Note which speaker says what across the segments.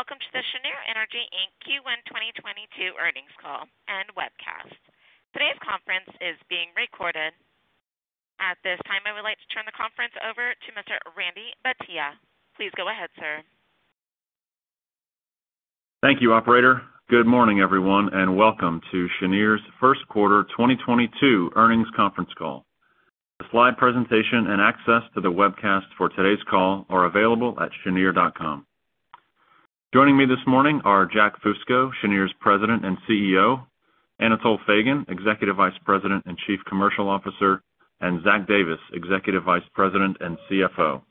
Speaker 1: Good day, and Welcome to the Cheniere Energy, Inc. Q1 2022 Earnings Call and Webcast. Today's conference is being recorded. At this time, I would like to turn the conference over to Mr. Randy Bhatia. Please go ahead, sir.
Speaker 2: Thank you, operator. Good morning, everyone, and Welcome to Cheniere's First Quarter 2022 Earnings Conference Call. The slide presentation and access to the webcast for today's call are available at cheniere.com. Joining me this morning are Jack Fusco, Cheniere's President and CEO, Anatol Feygin, Executive Vice President and Chief Commercial Officer, and Zach Davis, Executive Vice President and CFO.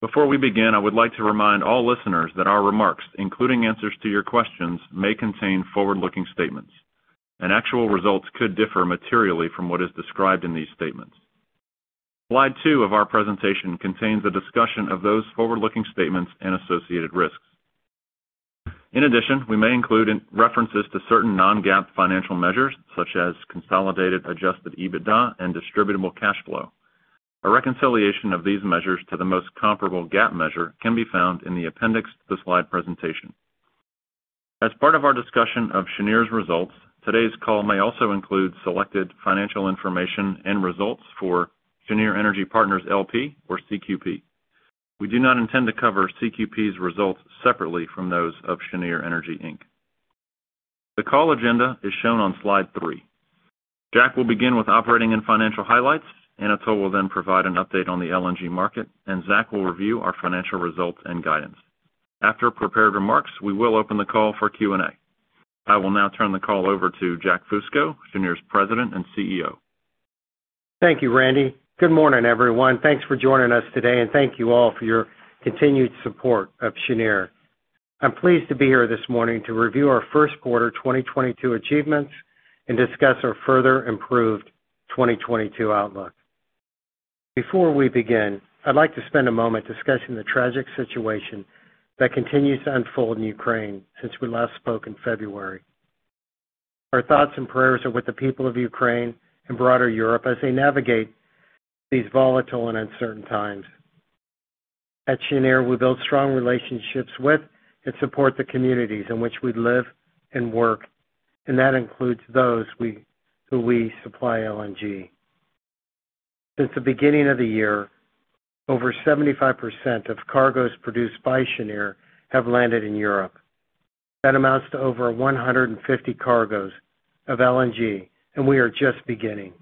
Speaker 2: Before we begin, I would like to remind all listeners that our remarks, including answers to your questions, may contain forward-looking statements, and actual results could differ materially from what is described in these statements. Slide two of our presentation contains a discussion of those forward-looking statements and associated risks. In addition, we may include references to certain non-GAAP financial measures, such as consolidated adjusted EBITDA and distributable cash flow. A reconciliation of these measures to the most comparable GAAP measure can be found in the appendix to the slide presentation. As part of our discussion of Cheniere's results, today's call may also include selected financial information and results for Cheniere Energy Partners, L.P. or CQP. We do not intend to cover CQP's results separately from those of Cheniere Energy, Inc. The call agenda is shown on slide three. Jack will begin with operating and financial highlights. Anatol will then provide an update on the LNG market, and Zach will review our financial results and guidance. After prepared remarks, we will open the call for Q&A. I will now turn the call over to Jack Fusco, Cheniere's President and CEO.
Speaker 3: Thank you, Randy. Good morning, everyone. Thanks for joining us today, and thank you all for your continued support of Cheniere. I'm pleased to be here this morning to review our first quarter 2022 achievements and discuss our further improved 2022 outlook. Before we begin, I'd like to spend a moment discussing the tragic situation that continues to unfold in Ukraine since we last spoke in February. Our thoughts and prayers are with the people of Ukraine and broader Europe as they navigate these volatile and uncertain times. At Cheniere, we build strong relationships with and support the communities in which we live and work, and that includes those who we supply LNG. Since the beginning of the year, over 75% of cargoes produced by Cheniere have landed in Europe. That amounts to over 150 cargoes of LNG, and we are just beginning.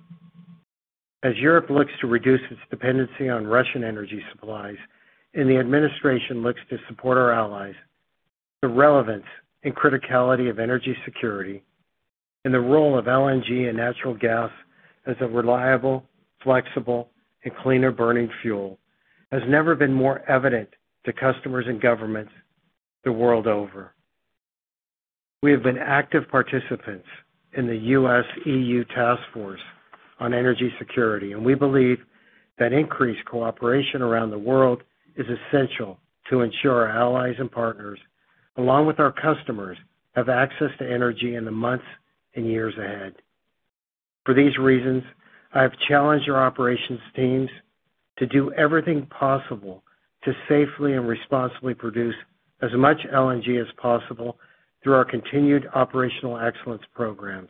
Speaker 3: As Europe looks to reduce its dependency on Russian energy supplies and the administration looks to support our allies, the relevance and criticality of energy security and the role of LNG and natural gas as a reliable, flexible, and cleaner-burning fuel has never been more evident to customers and governments the world over. We have been active participants in the U.S.-EU Task Force on Energy Security, and we believe that increased cooperation around the world is essential to ensure our allies and partners, along with our customers, have access to energy in the months and years ahead. For these reasons, I have challenged our operations teams to do everything possible to safely and responsibly produce as much LNG as possible through our continued operational excellence programs,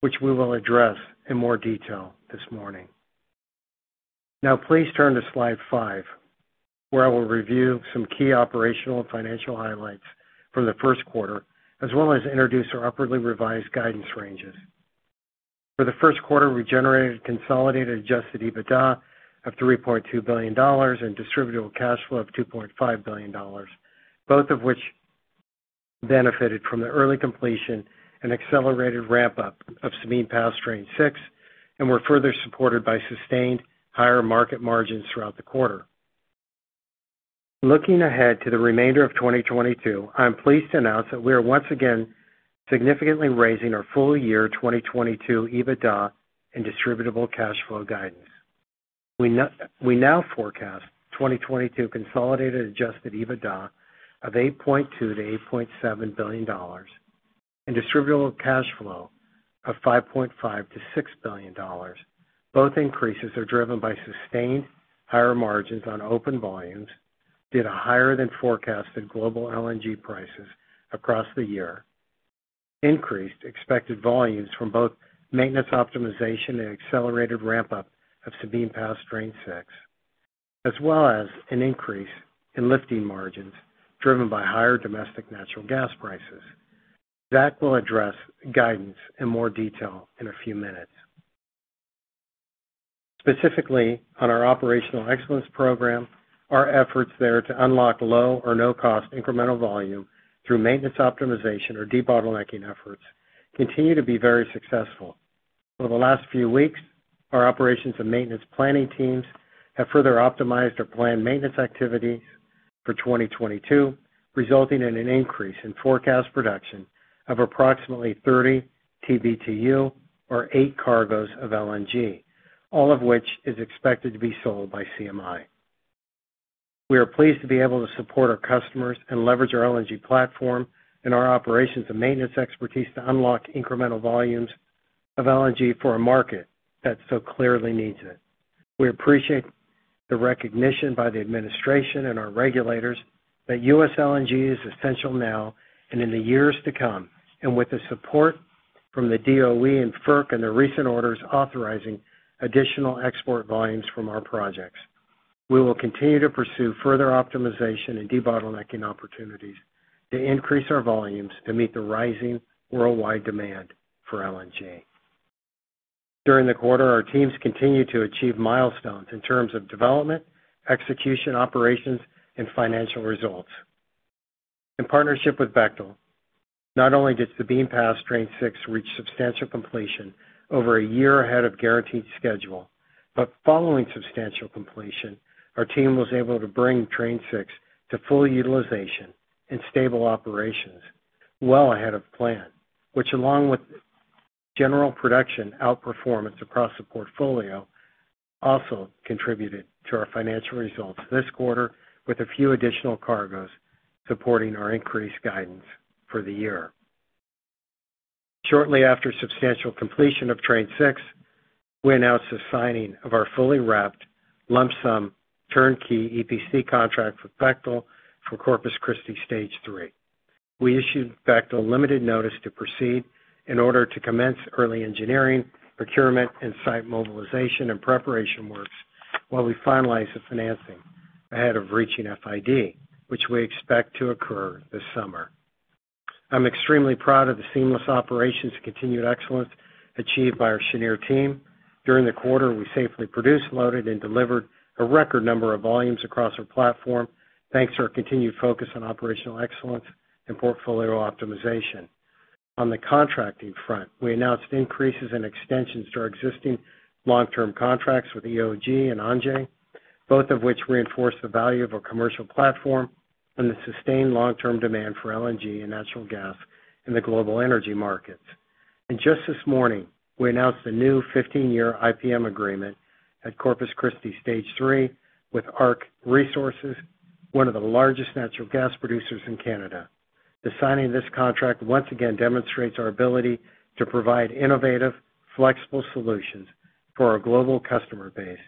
Speaker 3: which we will address in more detail this morning. Now, please turn to slide five, where I will review some key operational and financial highlights for the first quarter, as well as introduce our upwardly revised guidance ranges. For the first quarter, we generated consolidated adjusted EBITDA of $3.2 billion and distributable cash flow of $2.5 billion, both of which benefited from the early completion and accelerated ramp-up of Sabine Pass Train 6 and were further supported by sustained higher market margins throughout the quarter. Looking ahead to the remainder of 2022, I am pleased to announce that we are once again significantly raising our full-year 2022 EBITDA and distributable cash flow guidance. We now forecast 2022 consolidated adjusted EBITDA of $8.2-$8.7 billion and distributable cash flow of $5.5-$6 billion. Both increases are driven by sustained higher margins on open volumes via higher-than-forecasted global LNG prices across the year. Increased expected volumes from both maintenance optimization and accelerated ramp-up of Sabine Pass Train 6, as well as an increase in lifting margins driven by higher domestic natural gas prices. Zach will address guidance in more detail in a few minutes. Specifically, on our operational excellence program, our efforts there to unlock low or no-cost incremental volume through maintenance optimization or debottlenecking efforts continue to be very successful. Over the last few weeks, our operations and maintenance planning teams have further optimized our planned maintenance activities for 2022, resulting in an increase in forecast production of approximately 30 TBtu or 8 cargoes of LNG, all of which is expected to be sold by CMI. We are pleased to be able to support our customers and leverage our LNG platform and our operations and maintenance expertise to unlock incremental volumes of LNG for a market that so clearly needs it. We appreciate the recognition by the administration and our regulators that U.S. LNG is essential now and in the years to come. With the support from the DOE and FERC and the recent orders authorizing additional export volumes from our projects, we will continue to pursue further optimization and debottlenecking opportunities to increase our volumes to meet the rising worldwide demand for LNG. During the quarter, our teams continued to achieve milestones in terms of development, execution, operations, and financial results. In partnership with Bechtel, not only did Sabine Pass Train 6 reach substantial completion over a year ahead of guaranteed schedule, but following substantial completion, our team was able to bring Train 6 to full utilization and stable operations well ahead of plan, which, along with general production outperformance across the portfolio, also contributed to our financial results this quarter with a few additional cargoes supporting our increased guidance for the year. Shortly after substantial completion of Train 6, we announced the signing of our fully wrapped lump sum turnkey EPC contract with Bechtel for Corpus Christi Stage Three. We issued Bechtel a limited notice to proceed in order to commence early engineering, procurement, and site mobilization and preparation works while we finalize the financing ahead of reaching FID, which we expect to occur this summer. I'm extremely proud of the seamless operations and continued excellence achieved by our Cheniere team. During the quarter, we safely produced, loaded, and delivered a record number of volumes across our platform, thanks to our continued focus on operational excellence and portfolio optimization. On the contracting front, we announced increases and extensions to our existing long-term contracts with EOG and ENN, both of which reinforce the value of our commercial platform and the sustained long-term demand for LNG and natural gas in the global energy markets. Just this morning, we announced a new 15-year IPM agreement at Corpus Christi Stage Three with ARC Resources, one of the largest natural gas producers in Canada. The signing of this contract once again demonstrates our ability to provide innovative, flexible solutions for our global customer base,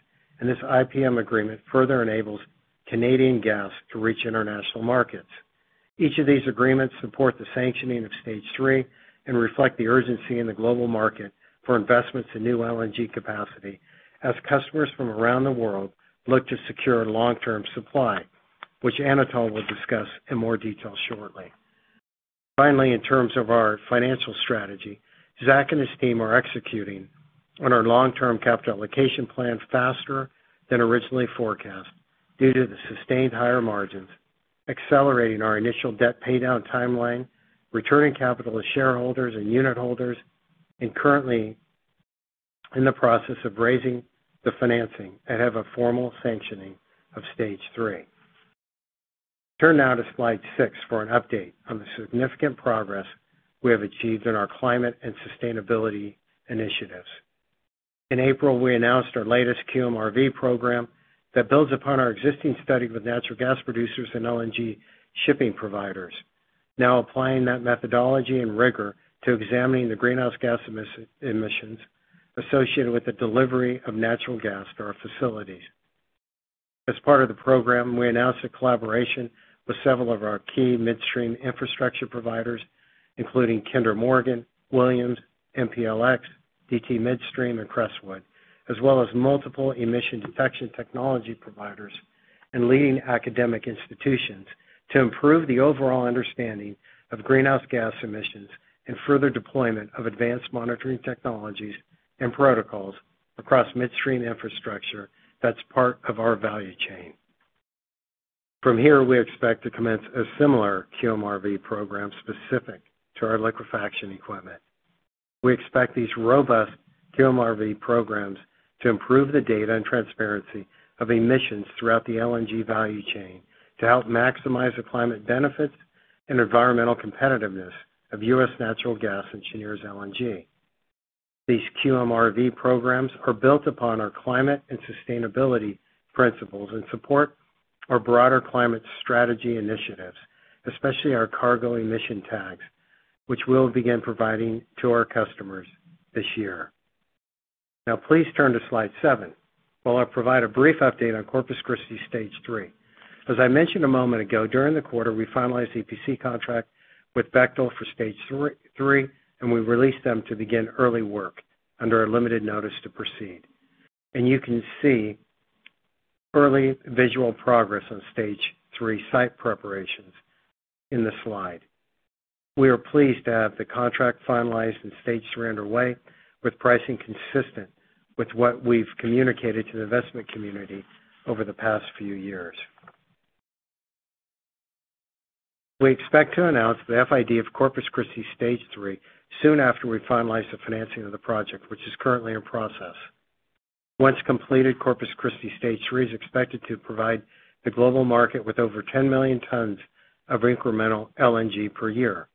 Speaker 3: and this IPM agreement further enables Canadian gas to reach international markets. Each of these agreements support the sanctioning of Stage Three and reflect the urgency in the global market for investments in new LNG capacity as customers from around the world look to secure long-term supply, which Anatol will discuss in more detail shortly. Finally, in terms of our financial strategy, Zach and his team are executing on our long-term capital allocation plan faster than originally forecast due to the sustained higher margins, accelerating our initial debt paydown timeline, returning capital to shareholders and unit holders, and currently in the process of raising the financing ahead of a formal sanctioning of Stage Three. Turn now to slide six for an update on the significant progress we have achieved in our climate and sustainability initiatives. In April, we announced our latest QMRV program that builds upon our existing study with natural gas producers and LNG shipping providers, now applying that methodology and rigor to examining the greenhouse gas emissions associated with the delivery of natural gas to our facilities. As part of the program, we announced a collaboration with several of our key midstream infrastructure providers, including Kinder Morgan, Williams, MPLX, DT Midstream, and Crestwood, as well as multiple emission detection technology providers and leading academic institutions, to improve the overall understanding of greenhouse gas emissions and further deployment of advanced monitoring technologies and protocols across midstream infrastructure that's part of our value chain. From here, we expect to commence a similar QMRV program specific to our liquefaction equipment. We expect these robust QMRV programs to improve the data and transparency of emissions throughout the LNG value chain to help maximize the climate benefits and environmental competitiveness of US natural gas and Cheniere's LNG. These QMRV programs are built upon our climate and sustainability principles and support our broader climate strategy initiatives, especially our cargo emission tags, which we'll begin providing to our customers this year. Now please turn to slide seven, where I'll provide a brief update on Corpus Christi Stage Three. As I mentioned a moment ago, during the quarter, we finalized the EPC contract with Bechtel for Stage Three, and we released them to begin early work under a limited notice to proceed. You can see early visual progress on Stage Three site preparations in this slide. We are pleased to have the contract finalized and Stage Three underway with pricing consistent with what we've communicated to the investment community over the past few years. We expect to announce the FID of Corpus Christi Stage Three soon after we finalize the financing of the project, which is currently in process. Once completed, Corpus Christi Stage Three is expected to provide the global market with over 10 million tons of incremental LNG per year.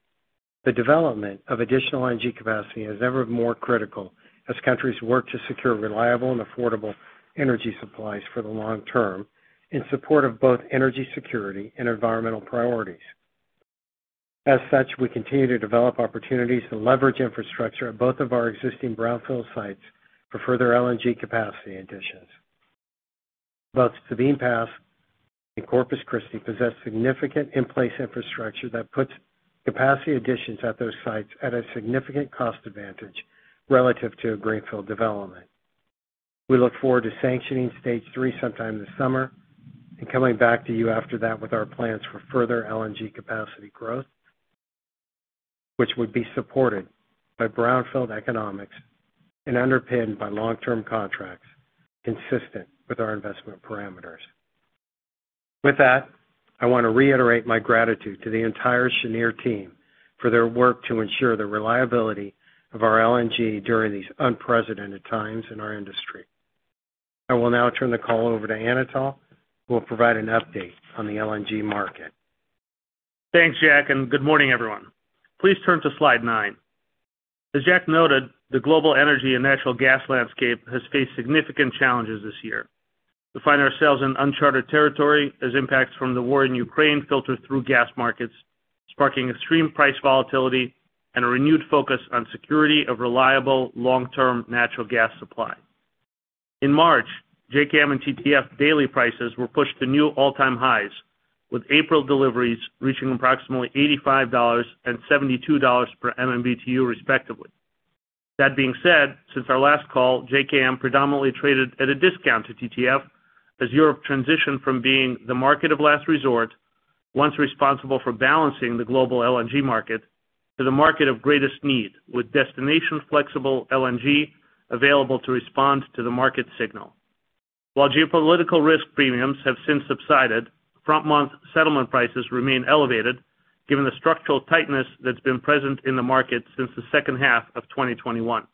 Speaker 3: The development of additional LNG capacity is ever more critical as countries work to secure reliable and affordable energy supplies for the long term in support of both energy security and environmental priorities. As such, we continue to develop opportunities to leverage infrastructure at both of our existing brownfield sites for further LNG capacity additions. Both Sabine Pass and Corpus Christi possess significant in-place infrastructure that puts capacity additions at those sites at a significant cost advantage relative to a greenfield development. We look forward to sanctioning stage three sometime this summer and coming back to you after that with our plans for further LNG capacity growth, which would be supported by brownfield economics and underpinned by long-term contracts consistent with our investment parameters. With that, I want to reiterate my gratitude to the entire Cheniere team for their work to ensure the reliability of our LNG during these unprecedented times in our industry. I will now turn the call over to Anatol, who will provide an update on the LNG market.
Speaker 4: Thanks, Jack, and good morning, everyone. Please turn to slide 9. As Jack noted, the global energy and natural gas landscape has faced significant challenges this year. We find ourselves in unchartered territory as impacts from the war in Ukraine filter through gas markets, sparking extreme price volatility and a renewed focus on security of reliable, long-term natural gas supply. In March, JKM and TTF daily prices were pushed to new all-time highs, with April deliveries reaching approximately $85 and $72 per MMBTU, respectively. That being said, since our last call, JKM predominantly traded at a discount to TTF as Europe transitioned from being the market of last resort, once responsible for balancing the global LNG market, to the market of greatest need, with destination flexible LNG available to respond to the market signal. While geopolitical risk premiums have since subsided, front-month settlement prices remain elevated, given the structural tightness that's been present in the market since the second half of 2021.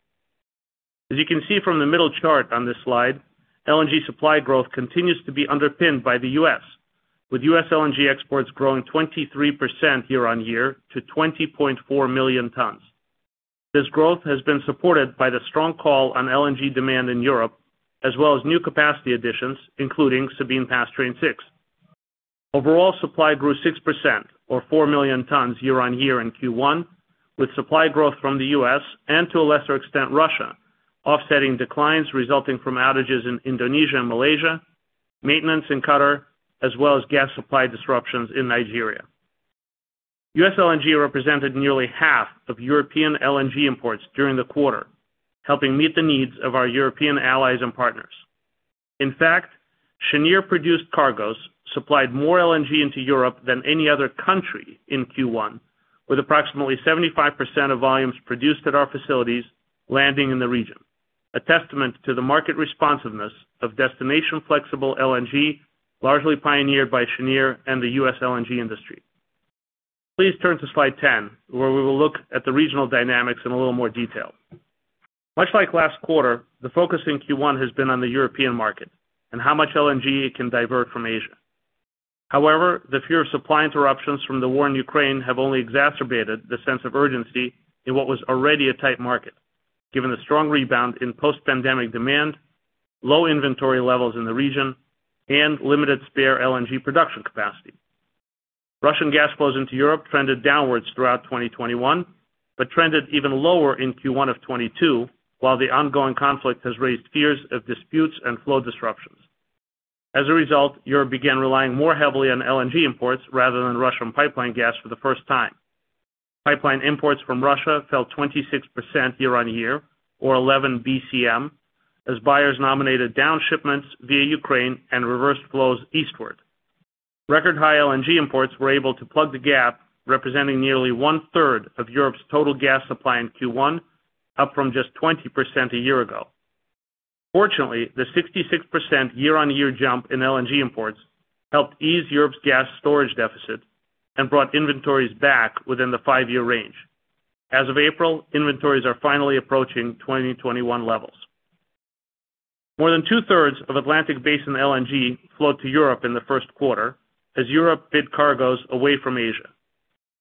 Speaker 4: As you can see from the middle chart on this slide, LNG supply growth continues to be underpinned by the U.S., with U.S. LNG exports growing 23% year-on-year to 20.4 million tons. This growth has been supported by the strong call on LNG demand in Europe, as well as new capacity additions, including Sabine Pass Train 6. Overall supply grew 6% or 4 million tons year-on-year in Q1, with supply growth from the U.S., and to a lesser extent, Russia, offsetting declines resulting from outages in Indonesia and Malaysia, maintenance in Qatar, as well as gas supply disruptions in Nigeria. U.S. LNG represented nearly half of European LNG imports during the quarter, helping meet the needs of our European allies and partners. In fact, Cheniere-produced cargoes supplied more LNG into Europe than any other country in Q1, with approximately 75% of volumes produced at our facilities landing in the region. A testament to the market responsiveness of destination flexible LNG, largely pioneered by Cheniere and the U.S. LNG industry. Please turn to slide 10, where we will look at the regional dynamics in a little more detail. Much like last quarter, the focus in Q1 has been on the European market and how much LNG it can divert from Asia. However, the fear of supply interruptions from the war in Ukraine have only exacerbated the sense of urgency in what was already a tight market, given the strong rebound in post-pandemic demand, low inventory levels in the region, and limited spare LNG production capacity. Russian gas flows into Europe trended downwards throughout 2021, but trended even lower in Q1 of 2022, while the ongoing conflict has raised fears of disputes and flow disruptions. As a result, Europe began relying more heavily on LNG imports rather than Russian pipeline gas for the first time. Pipeline imports from Russia fell 26% year-on-year, or 11 BCM, as buyers nominated down shipments via Ukraine and reversed flows eastward. Record-high LNG imports were able to plug the gap, representing nearly one-third of Europe's total gas supply in Q1, up from just 20% a year ago. Fortunately, the 66% year-on-year jump in LNG imports helped ease Europe's gas storage deficit and brought inventories back within the 5-year range. As of April, inventories are finally approaching 2021 levels. More than two-thirds of Atlantic Basin LNG flowed to Europe in the first quarter as Europe bid cargoes away from Asia.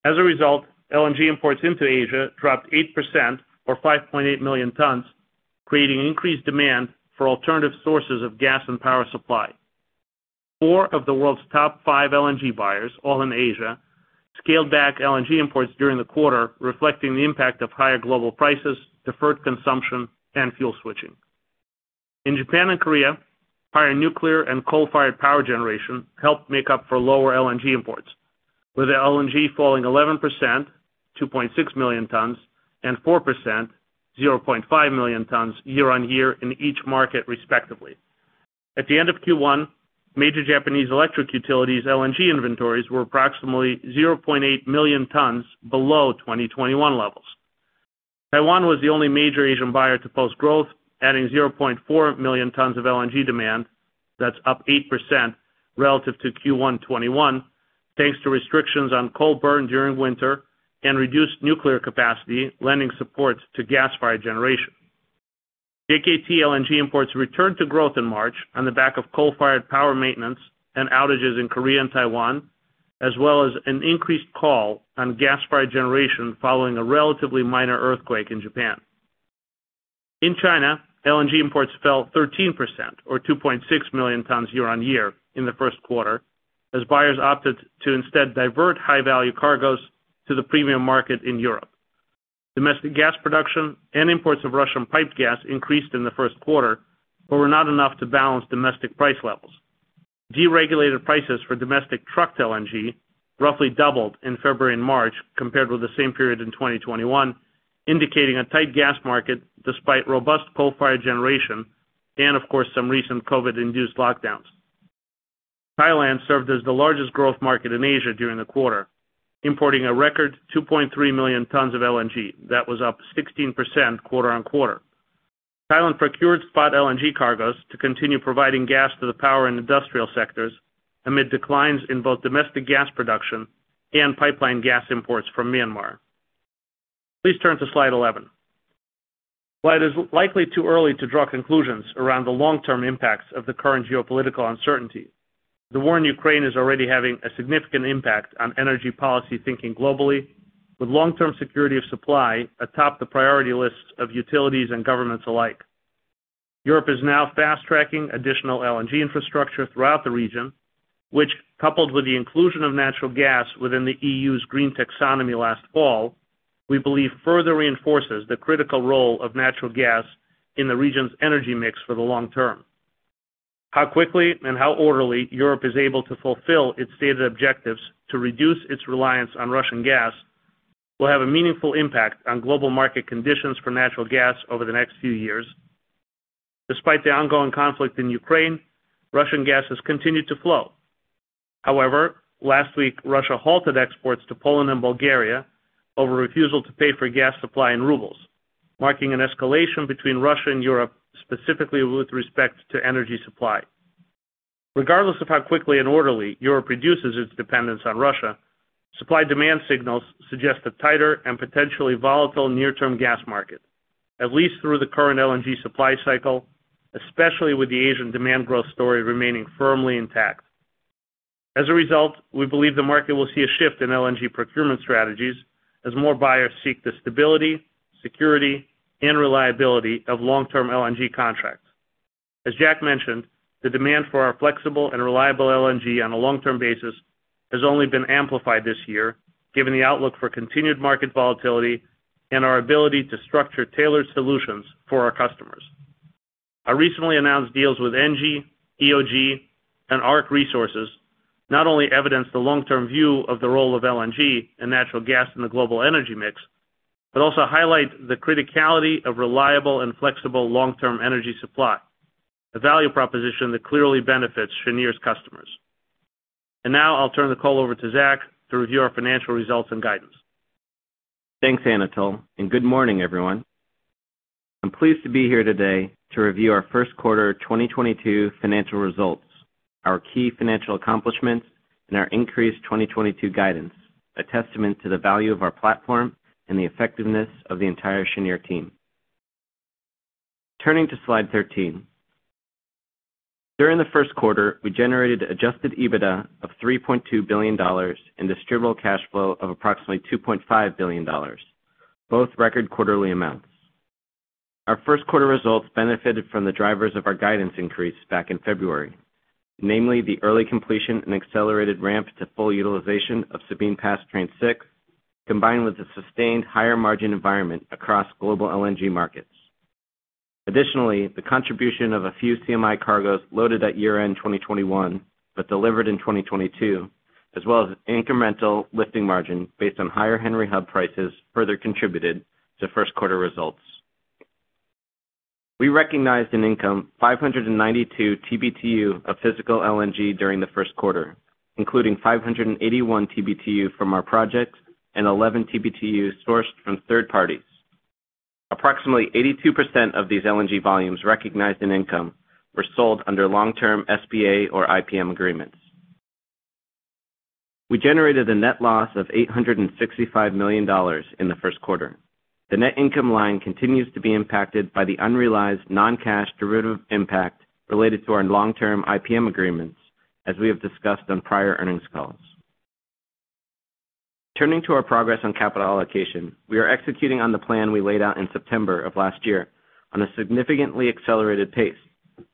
Speaker 4: As a result, LNG imports into Asia dropped 8% or 5.8 million tons, creating increased demand for alternative sources of gas and power supply. 4 of the world's top 5 LNG buyers, all in Asia, scaled back LNG imports during the quarter, reflecting the impact of higher global prices, deferred consumption, and fuel switching. In Japan and Korea, higher nuclear and coal-fired power generation helped make up for lower LNG imports, with LNG falling 11%, 2.6 million tons, and 4%, 0.5 million tons, year-on-year in each market, respectively. At the end of Q1, major Japanese electric utilities LNG inventories were approximately 0.8 million tons below 2021 levels. Taiwan was the only major Asian buyer to post growth, adding 0.4 million tons of LNG demand. That's up 8% relative to Q1 2021, thanks to restrictions on coal burn during winter and reduced nuclear capacity, lending support to gas-fired generation. JKM LNG imports returned to growth in March on the back of coal-fired power maintenance and outages in Korea and Taiwan, as well as an increased call on gas-fired generation following a relatively minor earthquake in Japan. In China, LNG imports fell 13% or 2.6 million tons year-on-year in the first quarter, as buyers opted to instead divert high-value cargoes to the premium market in Europe. Domestic gas production and imports of Russian piped gas increased in the first quarter, but were not enough to balance domestic price levels. Deregulated prices for domestic trucked LNG roughly doubled in February and March compared with the same period in 2021, indicating a tight gas market despite robust coal-fired generation and, of course, some recent COVID-induced lockdowns. Thailand served as the largest growth market in Asia during the quarter, importing a record 2.3 million tons of LNG. That was up 16% quarter-on-quarter. Thailand procured spot LNG cargoes to continue providing gas to the power and industrial sectors amid declines in both domestic gas production and pipeline gas imports from Myanmar. Please turn to slide 11. While it is likely too early to draw conclusions around the long-term impacts of the current geopolitical uncertainty, the war in Ukraine is already having a significant impact on energy policy thinking globally, with long-term security of supply atop the priority lists of utilities and governments alike. Europe is now fast-tracking additional LNG infrastructure throughout the region, which, coupled with the inclusion of natural gas within the EU's green taxonomy last fall, we believe further reinforces the critical role of natural gas in the region's energy mix for the long term. How quickly and how orderly Europe is able to fulfill its stated objectives to reduce its reliance on Russian gas will have a meaningful impact on global market conditions for natural gas over the next few years. Despite the ongoing conflict in Ukraine, Russian gas has continued to flow. However, last week, Russia halted exports to Poland and Bulgaria over refusal to pay for gas supply in rubles, marking an escalation between Russia and Europe, specifically with respect to energy supply. Regardless of how quickly and orderly Europe reduces its dependence on Russia, supply-demand signals suggest a tighter and potentially volatile near-term gas market, at least through the current LNG supply cycle, especially with the Asian demand growth story remaining firmly intact. As a result, we believe the market will see a shift in LNG procurement strategies as more buyers seek the stability, security, and reliability of long-term LNG contracts. As Jack mentioned, the demand for our flexible and reliable LNG on a long-term basis has only been amplified this year, given the outlook for continued market volatility and our ability to structure tailored solutions for our customers. Our recently announced deals with ENGIE, EOG Resources, and ARC Resources not only evidence the long-term view of the role of LNG and natural gas in the global energy mix, but also highlight the criticality of reliable and flexible long-term energy supply, a value proposition that clearly benefits Cheniere's customers. Now I'll turn the call over to Zach to review our financial results and guidance.
Speaker 5: Thanks, Anatol, and good morning, everyone. I'm pleased to be here today to review our first quarter 2022 financial results, our key financial accomplishments, and our increased 2022 guidance, a testament to the value of our platform and the effectiveness of the entire Cheniere team. Turning to slide 13. During the first quarter, we generated adjusted EBITDA of $3.2 billion and distributable cash flow of approximately $2.5 billion, both record quarterly amounts. Our first quarter results benefited from the drivers of our guidance increase back in February, namely the early completion and accelerated ramp to full utilization of Sabine Pass Train 6, combined with the sustained higher-margin environment across global LNG markets. Additionally, the contribution of a few CMI cargoes loaded at year-end 2021 but delivered in 2022, as well as incremental lifting margin based on higher Henry Hub prices, further contributed to first quarter results. We recognized in income 592 TBtu of physical LNG during the first quarter, including 581 TBtu from our projects and 11 TBtu sourced from third parties. Approximately 82% of these LNG volumes recognized in income were sold under long-term SPA or IPM agreements. We generated a net loss of $865 million in the first quarter. The net income line continues to be impacted by the unrealized non-cash derivative impact related to our long-term IPM agreements, as we have discussed on prior earnings calls. Turning to our progress on capital allocation, we are executing on the plan we laid out in September of last year on a significantly accelerated pace,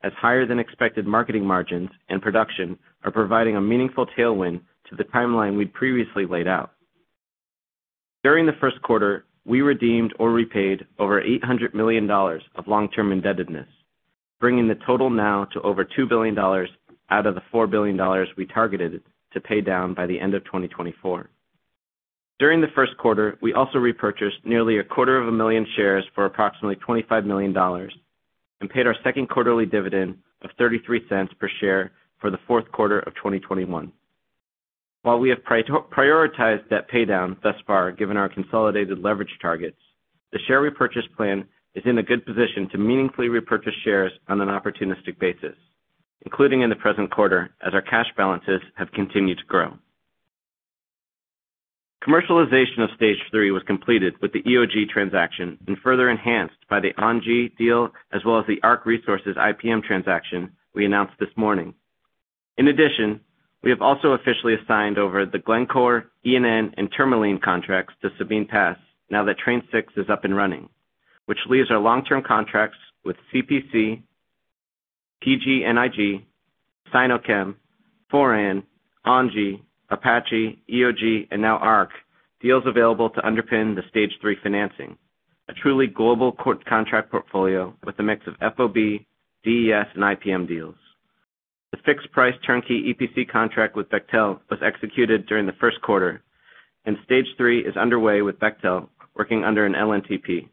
Speaker 5: as higher-than-expected marketing margins and production are providing a meaningful tailwind to the timeline we previously laid out. During the first quarter, we redeemed or repaid over $800 million of long-term indebtedness, bringing the total now to over $2 billion out of the $4 billion we targeted to pay down by the end of 2024. During the first quarter, we also repurchased nearly a quarter of a million shares for approximately $25 million and paid our second quarterly dividend of $0.33 per share for the fourth quarter of 2021. While we have prioritized debt paydown thus far, given our consolidated leverage targets, the share repurchase plan is in a good position to meaningfully repurchase shares on an opportunistic basis, including in the present quarter as our cash balances have continued to grow. Commercialization of Stage three was completed with the EOG transaction and further enhanced by the ENGIE deal as well as the ARC Resources IPM transaction we announced this morning. In addition, we have also officially assigned over the Glencore, ENN, and Tourmaline contracts to Sabine Pass now that Train 6 is up and running, which leaves our long-term contracts with CPC, PGNiG, Sinochem, Foran, ONGC, Apache, EOG, and now ARC deals available to underpin the Stage three financing. A truly global core contract portfolio with a mix of FOB, DES, and IPM deals. The fixed price turnkey EPC contract with Bechtel was executed during the first quarter, and stage three is underway with Bechtel working under an LNTP.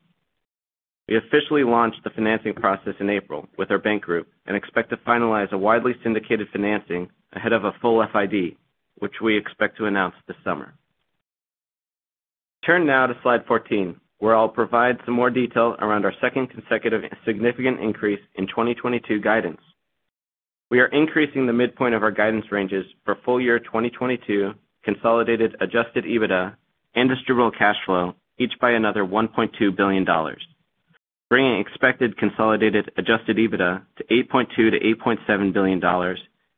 Speaker 5: We officially launched the financing process in April with our bank group and expect to finalize a widely syndicated financing ahead of a full FID, which we expect to announce this summer. Turn now to slide 14, where I'll provide some more detail around our second consecutive and significant increase in 2022 guidance. We are increasing the midpoint of our guidance ranges for full year 2022 consolidated adjusted EBITDA and distributable cash flow, each by another $1.2 billion, bringing expected consolidated adjusted EBITDA to $8.2 billion-$8.7 billion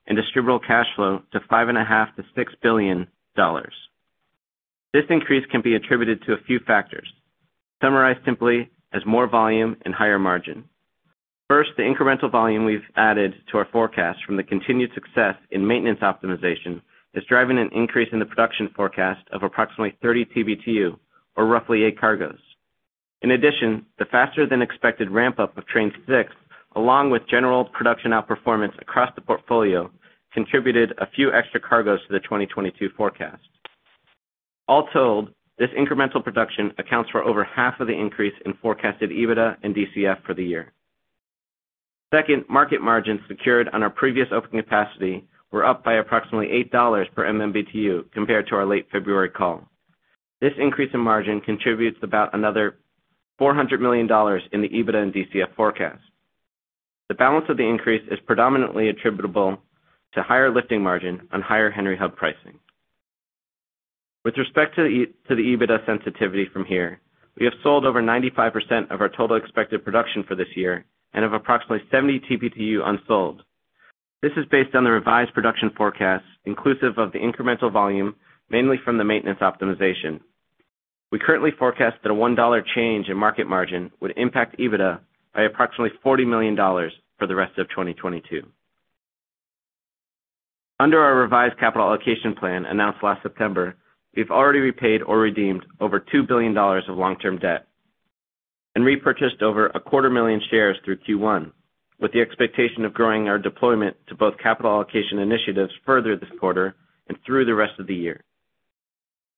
Speaker 5: and distributable cash flow to $5.5 billion-$6 billion. This increase can be attributed to a few factors, summarized simply as more volume and higher margin. First, the incremental volume we've added to our forecast from the continued success in maintenance optimization is driving an increase in the production forecast of approximately 30 TBtu, or roughly 8 cargoes. In addition, the faster than expected ramp-up of Train 6, along with general production outperformance across the portfolio, contributed a few extra cargoes to the 2022 forecast. All told, this incremental production accounts for over half of the increase in forecasted EBITDA and DCF for the year. Second, market margins secured on our previous opening capacity were up by approximately $8 per MMBTU compared to our late February call. This increase in margin contributes about another $400 million in the EBITDA and DCF forecast. The balance of the increase is predominantly attributable to higher lifting margin on higher Henry Hub pricing. With respect to the EBITDA sensitivity from here, we have sold over 95% of our total expected production for this year and have approximately 70 TBtu unsold. This is based on the revised production forecast, inclusive of the incremental volume, mainly from the maintenance optimization. We currently forecast that a $1 change in market margin would impact EBITDA by approximately $40 million for the rest of 2022. Under our revised capital allocation plan announced last September, we've already repaid or redeemed over $2 billion of long-term debt and repurchased over a quarter million shares through Q1, with the expectation of growing our deployment to both capital allocation initiatives further this quarter and through the rest of the year.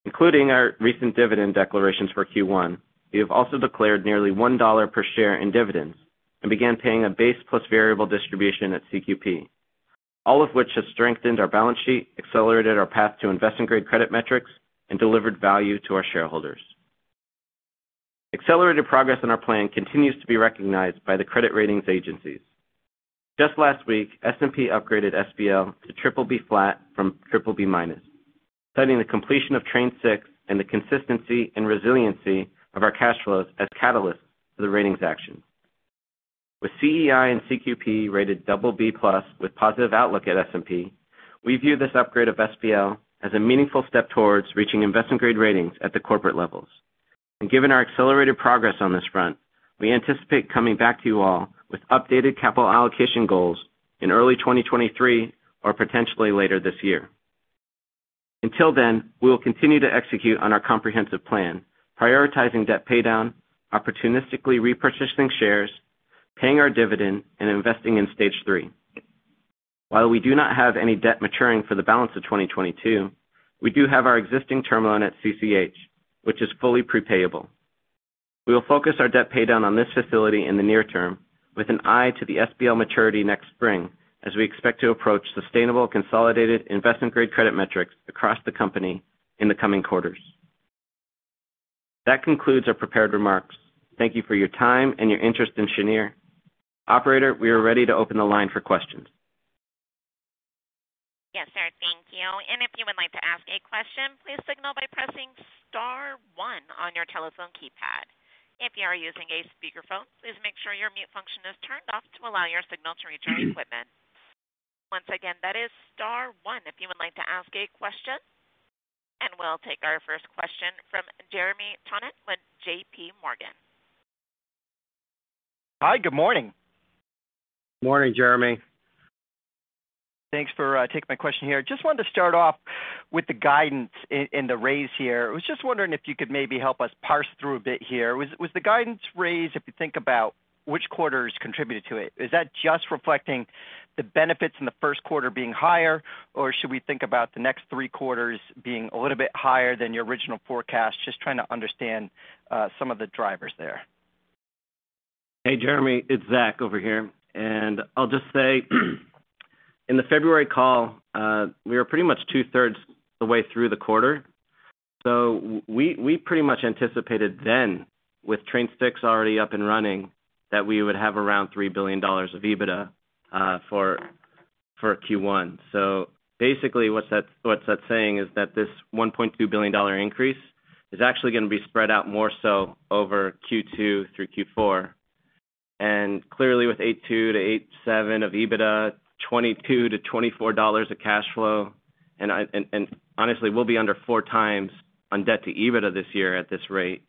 Speaker 5: Including our recent dividend declarations for Q1, we have also declared nearly $1 per share in dividends and began paying a base plus variable distribution at CQP, all of which has strengthened our balance sheet, accelerated our path to invest in great credit metrics, and delivered value to our shareholders. Accelerated progress on our plan continues to be recognized by the credit ratings agencies. Just last week, S&P upgraded SPL to triple B flat from triple B minus, citing the completion of Train 6 and the consistency and resiliency of our cash flows as catalysts for the ratings action. With CEI and CQP rated double B plus with positive outlook at S&P, we view this upgrade of SPL as a meaningful step towards reaching investment-grade ratings at the corporate levels. Given our accelerated progress on this front, we anticipate coming back to you all with updated capital allocation goals in early 2023, or potentially later this year. Until then, we will continue to execute on our comprehensive plan, prioritizing debt paydown, opportunistically repositioning shares, paying our dividend, and investing in stage three. While we do not have any debt maturing for the balance of 2022, we do have our existing term loan at CCH, which is fully prepayable. We will focus our debt paydown on this facility in the near term with an eye to the SPL maturity next spring, as we expect to approach sustainable consolidated investment-grade credit metrics across the company in the coming quarters. That concludes our prepared remarks. Thank you for your time and your interest in Cheniere. Operator, we are ready to open the line for questions.
Speaker 1: Yes, sir. Thank you. If you would like to ask a question, please signal by pressing star one on your telephone keypad. If you are using a speakerphone, please make sure your mute function is turned off to allow your signal to reach our equipment. Once again, that is star one if you would like to ask a question. We'll take our first question from Jeremy Tonet at JPMorgan.
Speaker 6: Hi, good morning.
Speaker 5: Morning, Jeremy.
Speaker 6: Thanks for taking my question here. Just wanted to start off with the guidance and the raise here. Was just wondering if you could maybe help us parse through a bit here. Was the guidance raise, if you think about which quarters contributed to it, is that just reflecting the benefits in the first quarter being higher, or should we think about the next three quarters being a little bit higher than your original forecast? Just trying to understand some of the drivers there.
Speaker 5: Hey, Jeremy, it's Zach over here. I'll just say, in the February call, we were pretty much two-thirds the way through the quarter. We pretty much anticipated then, with Train 6 already up and running, that we would have around $3 billion of EBITDA for Q1. Basically what's that saying is that this $1.2 billion increase is actually gonna be spread out more so over Q2 through Q4. Clearly with $8.2-$8.7 billion of EBITDA, $22-$24 of cash flow, and honestly, we'll be under 4x on debt to EBITDA this year at this rate.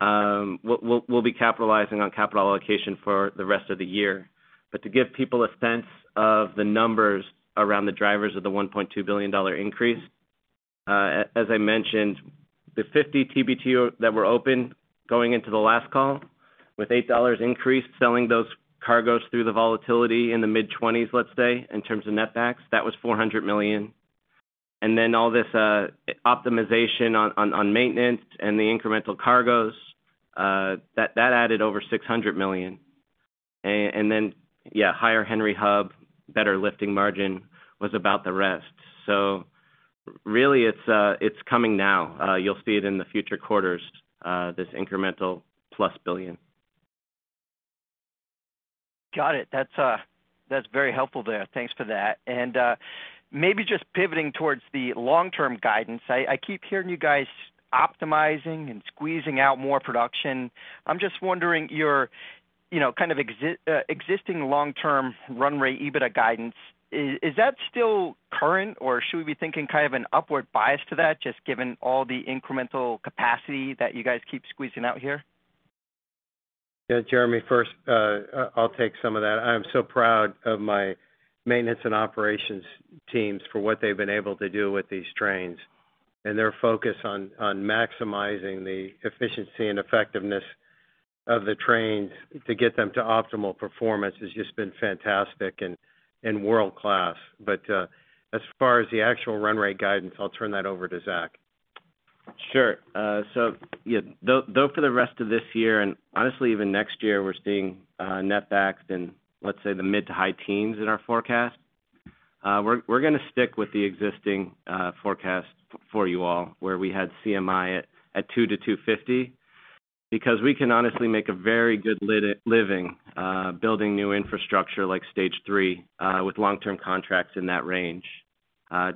Speaker 5: We'll be capitalizing on capital allocation for the rest of the year. To give people a sense of the numbers around the drivers of the $1.2 billion increase, as I mentioned, the 50 TBtu that were open going into the last call with $8 increase, selling those cargoes through the volatility in the mid-twenties, let's say, in terms of netbacks, that was $400 million. All this optimization on maintenance and the incremental cargoes that added over $600 million. Then higher Henry Hub, better lifting margin was about the rest. Really, it's coming now. You'll see it in the future quarters, this incremental $1 billion.
Speaker 6: Got it. That's very helpful there. Thanks for that. Maybe just pivoting towards the long-term guidance. I keep hearing you guys optimizing and squeezing out more production. I'm just wondering your, you know, kind of existing long-term run rate EBITDA guidance. Is that still current or should we be thinking kind of an upward bias to that just given all the incremental capacity that you guys keep squeezing out here?
Speaker 3: Yeah, Jeremy, first, I'll take some of that. I am so proud of my maintenance and operations teams for what they've been able to do with these trains. Their focus on maximizing the efficiency and effectiveness of the trains to get them to optimal performance has just been fantastic and world-class. As far as the actual run rate guidance, I'll turn that over to Zach.
Speaker 5: Sure. Yeah, though for the rest of this year, and honestly, even next year, we're seeing netbacks in, let's say, the mid- to high teens in our forecast. We're gonna stick with the existing forecast for you all, where we had CMI at $2-$2.50. Because we can honestly make a very good living building new infrastructure like stage three with long-term contracts in that range.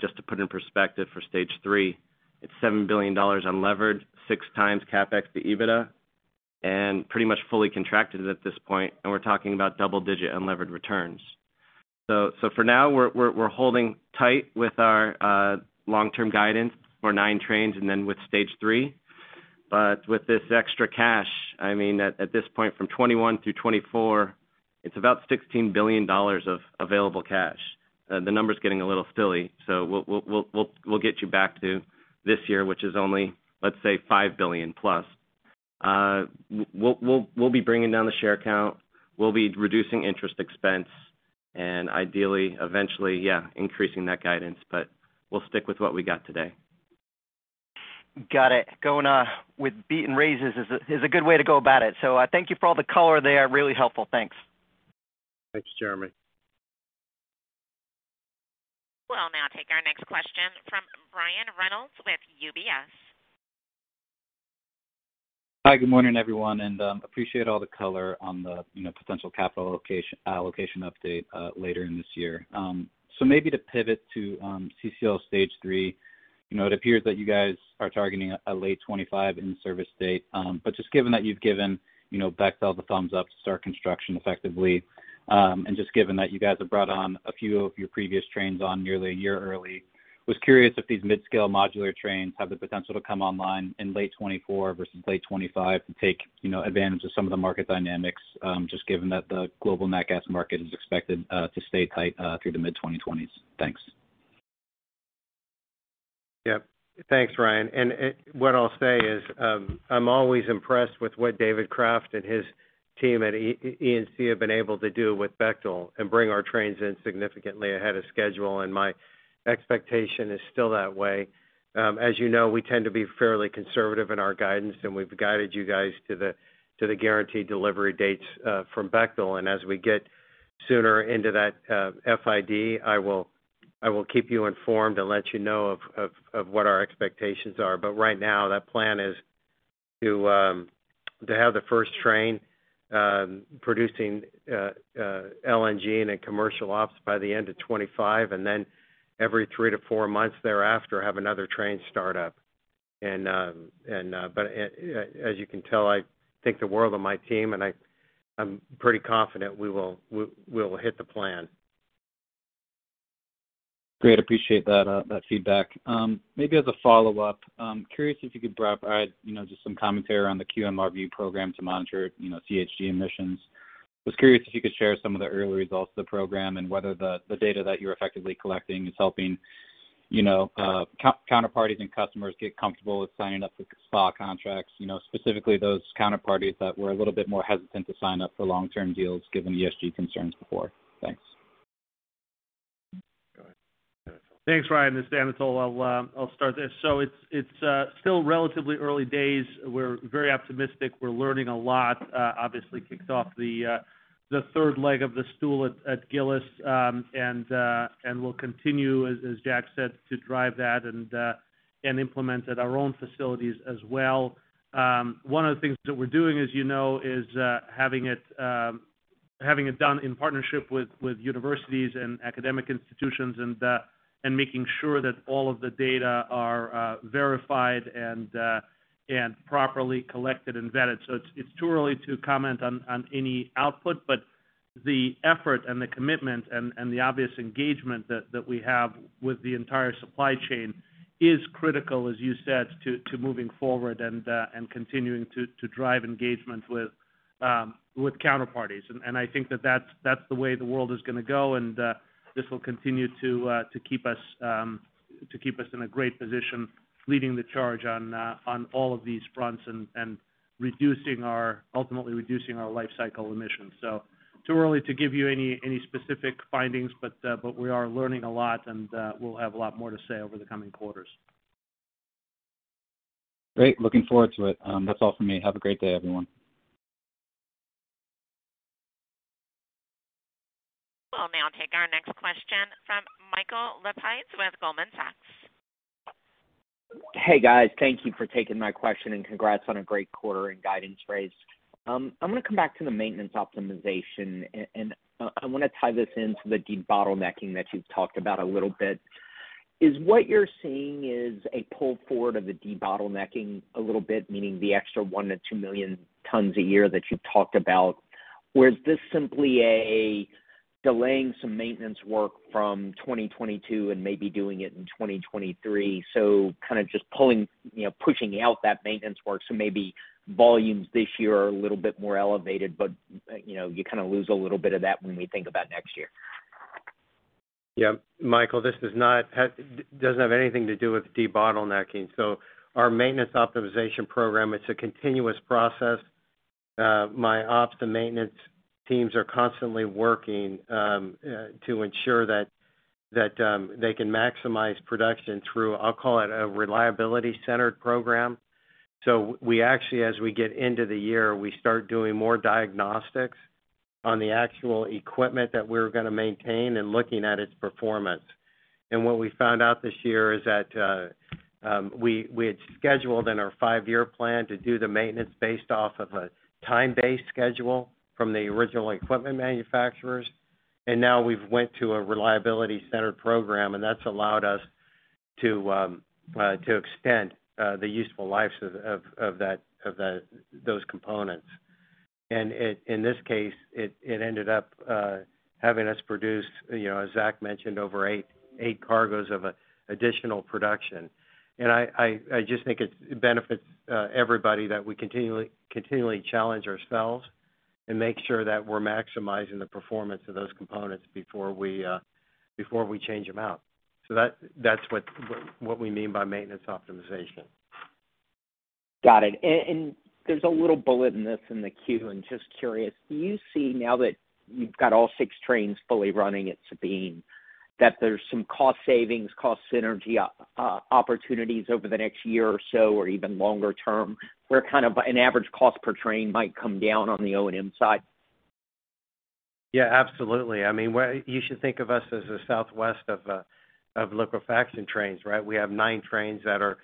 Speaker 5: Just to put in perspective for stage three, it's $7 billion unlevered, 6x CapEx to EBITDA, and pretty much fully contracted at this point, and we're talking about double-digit unlevered returns. For now, we're holding tight with our long-term guidance for 9 trains and then with stage three. With this extra cash, I mean, at this point, from 2021 through 2024, it's about $16 billion of available cash. The number's getting a little silly, so we'll get you back to this year, which is only, let's say, $5 billion plus. We'll be bringing down the share count. We'll be reducing interest expense and ideally eventually, yeah, increasing that guidance, but we'll stick with what we got today.
Speaker 6: Got it. Going with beat and raise is a good way to go about it. Thank you for all the color there. Really helpful. Thanks.
Speaker 3: Thanks, Jeremy.
Speaker 1: We'll now take our next question from Brian Reynolds with UBS.
Speaker 7: Hi, good morning, everyone, and appreciate all the color on the, you know, potential capital allocation update later in this year. Maybe to pivot to CCL stage three, you know, it appears that you guys are targeting a late 2025 in-service date. Just given that you've given, you know, Bechtel the thumbs up to start construction effectively, and just given that you guys have brought on a few of your previous trains on nearly a year early, was curious if these mid-scale modular trains have the potential to come online in late 2024 versus late 2025 to take, you know, advantage of some of the market dynamics, just given that the global nat gas market is expected to stay tight through the mid-2020s. Thanks.
Speaker 3: Yeah. Thanks, Brian. What I'll say is, I'm always impressed with what David Craft and his team at E&C have been able to do with Bechtel and bring our trains in significantly ahead of schedule, and my expectation is still that way. As you know, we tend to be fairly conservative in our guidance, and we've guided you guys to the guaranteed delivery dates from Bechtel. As we get sooner into that FID, I will keep you informed and let you know of what our expectations are. Right now, that plan is to have the first train producing LNG and in commercial ops by the end of 2025, and then every three to four months thereafter, have another train start up. As you can tell, I think the world of my team, and I'm pretty confident we will hit the plan.
Speaker 7: Great. Appreciate that feedback. Maybe as a follow-up, I'm curious if you could provide, you know, just some commentary on the QMRV program to monitor, you know, GHG emissions. Was curious if you could share some of the early results of the program and whether the data that you're effectively collecting is helping, you know, counterparties and customers get comfortable with signing up for SPA contracts, you know, specifically those counterparties that were a little bit more hesitant to sign up for long-term deals given the ESG concerns before. Thanks.
Speaker 3: Go ahead, Anatol.
Speaker 4: Thanks, Brian. This is Anatol. I'll start this. It's still relatively early days. We're very optimistic. We're learning a lot. Obviously kicked off the third leg of the stool at Gillis. We'll continue, as Jack said, to drive that and implement at our own facilities as well. One of the things that we're doing, as you know, is having it. Having it done in partnership with universities and academic institutions and making sure that all of the data are properly collected and vetted. It's too early to comment on any output, but the effort and the commitment and the obvious engagement that we have with the entire supply chain is critical, as you said, to moving forward and continuing to drive engagement with counterparties. I think that's the way the world is gonna go, and this will continue to keep us in a great position leading the charge on all of these fronts and ultimately reducing our lifecycle emissions. Too early to give you any specific findings, but we are learning a lot and we'll have a lot more to say over the coming quarters.
Speaker 7: Great. Looking forward to it. That's all for me. Have a great day, everyone.
Speaker 1: We'll now take our next question from Michael Lapides with Goldman Sachs.
Speaker 8: Hey, guys. Thank you for taking my question, and congrats on a great quarter and guidance raise. I'm gonna come back to the maintenance optimization and I wanna tie this into the debottlenecking that you've talked about a little bit. Is what you're seeing is a pull forward of the debottlenecking a little bit, meaning the extra 1-2 million tons a year that you've talked about? Or is this simply a delaying some maintenance work from 2022 and maybe doing it in 2023? Kind of just pulling, you know, pushing out that maintenance work. Maybe volumes this year are a little bit more elevated, but, you know, you kind of lose a little bit of that when we think about next year.
Speaker 3: Michael, this doesn't have anything to do with debottlenecking. Our maintenance optimization program, it's a continuous process. My ops and maintenance teams are constantly working to ensure that they can maximize production through, I'll call it a reliability-centered program. We actually, as we get into the year, we start doing more diagnostics on the actual equipment that we're gonna maintain and looking at its performance. What we found out this year is that we had scheduled in our five-year plan to do the maintenance based off of a time-based schedule from the original equipment manufacturers. Now we've went to a reliability-centered program, and that's allowed us to extend the useful lives of those components. In this case, it ended up having us produce, you know, as Zach mentioned, over 8 cargoes of additional production. I just think it benefits everybody that we continually challenge ourselves and make sure that we're maximizing the performance of those components before we change them out. That's what we mean by maintenance optimization.
Speaker 8: Got it. There's a little bullet in the queue, and just curious. Do you see now that you've got all 6 trains fully running at Sabine that there's some cost savings, cost synergy opportunities over the next year or so or even longer term, where kind of an average cost per train might come down on the O&M side?
Speaker 3: Yeah, absolutely. I mean, you should think of us as a suite of liquefaction trains, right? We have 9 trains that are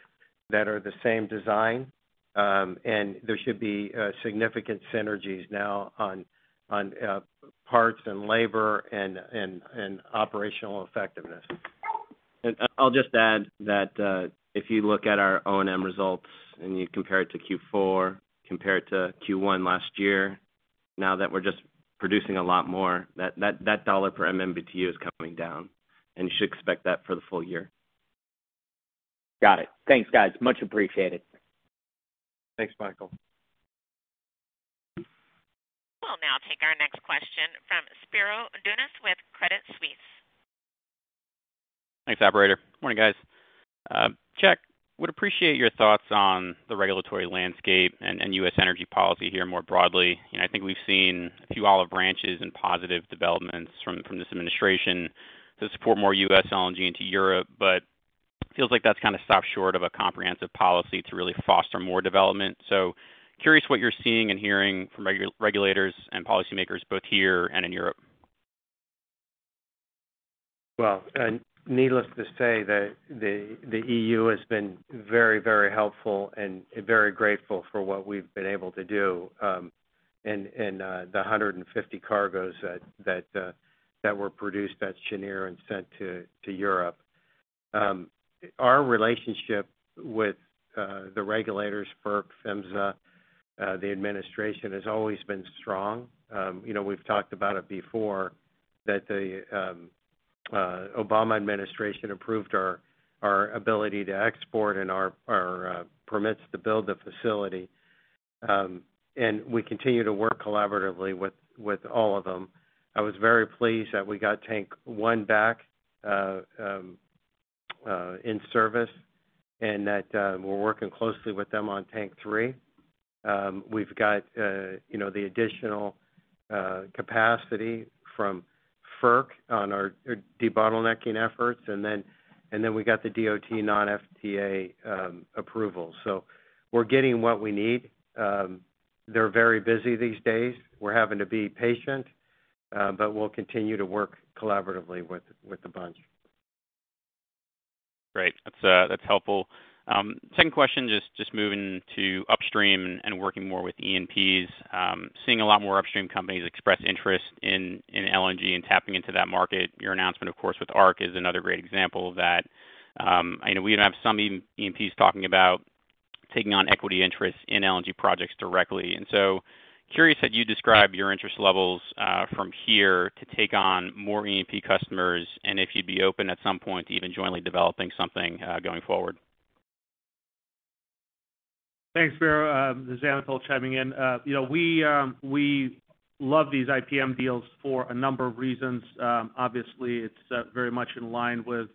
Speaker 3: the same design, and there should be significant synergies now on parts and labor and operational effectiveness.
Speaker 5: I'll just add that, if you look at our O&M results and you compare it to Q4 compared to Q1 last year, now that we're just producing a lot more, that $ per MMBtu is coming down, and you should expect that for the full year.
Speaker 8: Got it. Thanks, guys. Much appreciated.
Speaker 3: Thanks, Michael.
Speaker 1: We'll now take our next question from Spiro Dounis with Credit Suisse.
Speaker 9: Thanks, operator. Morning, guys. Chuck, would appreciate your thoughts on the regulatory landscape and U.S. energy policy here more broadly. You know, I think we've seen a few olive branches and positive developments from this administration to support more U.S. LNG into Europe, but feels like that's kind of stopped short of a comprehensive policy to really foster more development. Curious what you're seeing and hearing from regulators and policymakers both here and in Europe.
Speaker 3: Needless to say that the EU has been very helpful and very grateful for what we've been able to do in the 150 cargoes that were produced at Cheniere and sent to Europe. Our relationship with the regulators, FERC, PHMSA, the administration has always been strong. You know, we've talked about it before that the Obama administration approved our permits to build the facility. We continue to work collaboratively with all of them. I was very pleased that we got tank 1 back in service and that we're working closely with them on tank 3. We've got, you know, the additional capacity from FERC on our debottlenecking efforts, and then we got the DOT non-FTA approval. We're getting what we need. They're very busy these days. We're having to be patient, but we'll continue to work collaboratively with the bunch.
Speaker 9: Great. That's helpful. Second question, just moving to upstream and working more with E&Ps. Seeing a lot more upstream companies express interest in LNG and tapping into that market. Your announcement, of course, with ARC is another great example of that. I know we even have some E&Ps talking about taking on equity interest in LNG projects directly. Curious how you describe your interest levels from here to take on more E&P customers, and if you'd be open at some point to even jointly developing something going forward.
Speaker 4: Thanks, Spiro Dounis. This is Anatol Feygin chiming in. You know, we love these IPM deals for a number of reasons. Obviously, it's very much in line with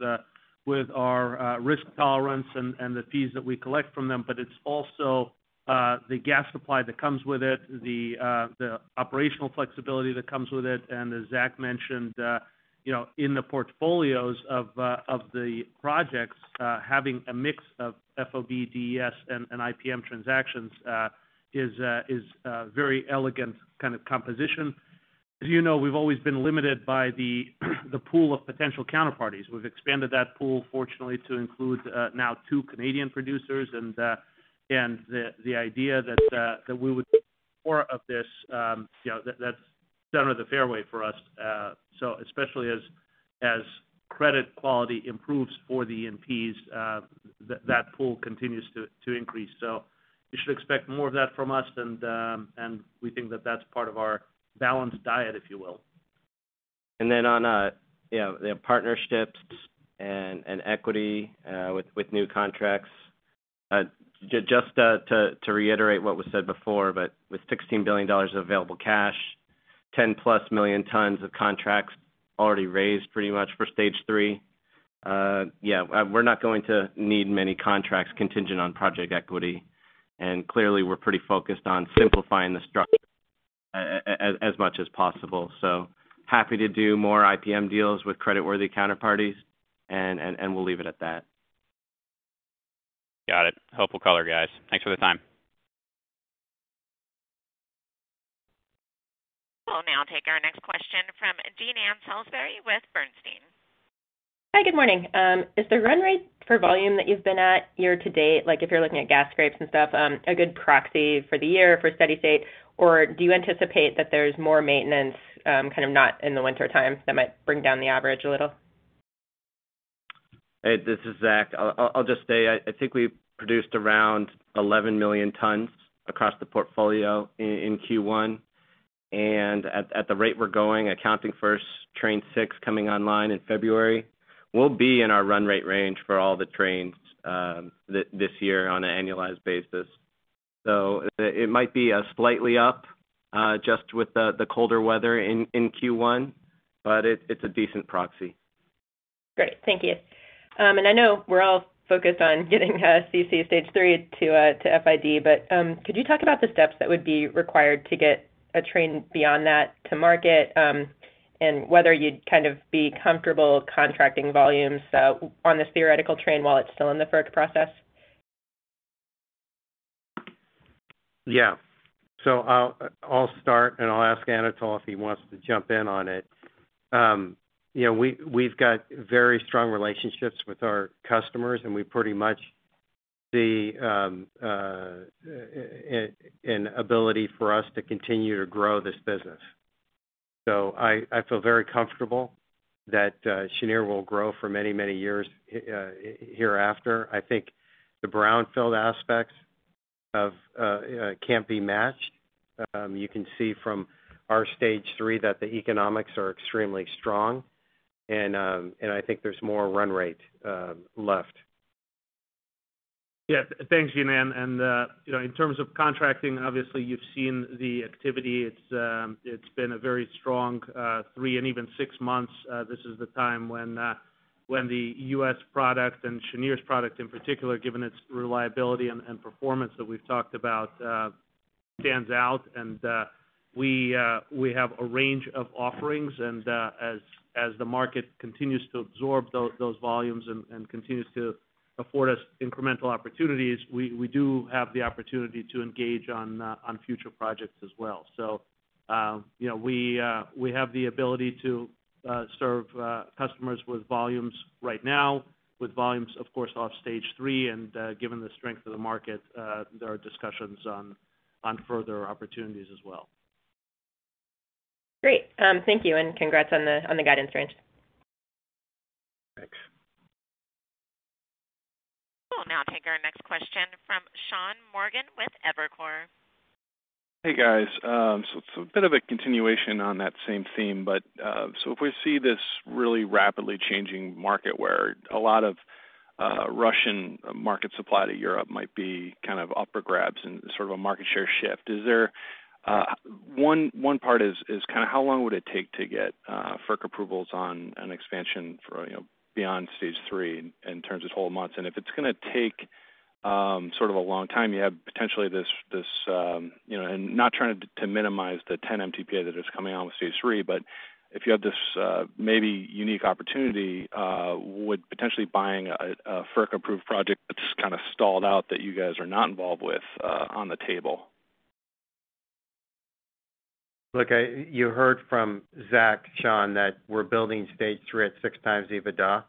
Speaker 4: our risk tolerance and the fees that we collect from them. It's also the gas supply that comes with it, the operational flexibility that comes with it. As Zach Davis mentioned, you know, in the portfolios of the projects, having a mix of FOB, DES, and IPM transactions is a very elegant kind of composition. As you know, we've always been limited by the pool of potential counterparties. We've expanded that pool, fortunately, to include now two Canadian producers. The idea that we would do more of this, you know, that's down in the fairway for us. Especially as credit quality improves for the E&Ps, that pool continues to increase. You should expect more of that from us. We think that that's part of our balanced diet, if you will.
Speaker 5: On, you know, the partnerships and equity with new contracts. Just to reiterate what was said before, but with $16 billion of available cash, 10+ million tons of contracts already raised pretty much for stage three, we're not going to need many contracts contingent on project equity. Clearly, we're pretty focused on simplifying the structure as much as possible. Happy to do more IPM deals with creditworthy counterparties and we'll leave it at that.
Speaker 9: Got it. Helpful color, guys. Thanks for the time.
Speaker 1: We'll now take our next question from Jean Ann Salisbury with Bernstein.
Speaker 10: Hi, good morning. Is the run rate for volume that you've been at year to date, like if you're looking at gas scrapes and stuff, a good proxy for the year for steady state, or do you anticipate that there's more maintenance, kind of not in the wintertime that might bring down the average a little?
Speaker 5: Hey, this is Zach. I'll just say I think we produced around 11 million tons across the portfolio in Q1. At the rate we're going, accounting for Train 6 coming online in February, we'll be in our run rate range for all the trains this year on an annualized basis. It might be slightly up just with the colder weather in Q1, but it's a decent proxy.
Speaker 10: Great. Thank you. I know we're all focused on getting CC Stage three to FID, but could you talk about the steps that would be required to get a train beyond that to market, and whether you'd kind of be comfortable contracting volumes on this theoretical train while it's still in the FERC process?
Speaker 5: I'll start, and I'll ask Anatol if he wants to jump in on it. You know, we've got very strong relationships with our customers, and we pretty much see an ability for us to continue to grow this business. I feel very comfortable that Cheniere will grow for many, many years hereafter. I think the brownfield aspects can't be matched. You can see from our Stage three that the economics are extremely strong and I think there's more run rate left.
Speaker 4: Yeah. Thanks, Jean Ann Salisbury. You know, in terms of contracting, obviously you've seen the activity. It's been a very strong 3 and even 6 months. This is the time when the U.S. product and Cheniere's product in particular, given its reliability and performance that we've talked about, stands out. We have a range of offerings. As the market continues to absorb those volumes and continues to afford us incremental opportunities, we do have the opportunity to engage on future projects as well. You know, we have the ability to serve customers with volumes right now, with volumes, of course, off Stage three. Given the strength of the market, there are discussions on further opportunities as well.
Speaker 10: Great. Thank you, and congrats on the guidance range.
Speaker 4: Thanks.
Speaker 1: We'll now take our next question from Sean Morgan with Evercore.
Speaker 11: Hey, guys. It's a bit of a continuation on that same theme. If we see this really rapidly changing market where a lot of Russian market supply to Europe might be kind of up for grabs and sort of a market share shift, is there one part is kinda how long would it take to get FERC approvals on an expansion for, you know, beyond Stage three in terms of whole months? And if it's gonna take sort of a long time, you have potentially this, you know, and not trying to minimize the 10 MTPA that is coming on with Stage three, but if you have this maybe unique opportunity, would potentially buying a FERC-approved project that's kind of stalled out that you guys are not involved with on the table?
Speaker 3: Look, you heard from Zach, Sean, that we're building stage three at six times EBITDA.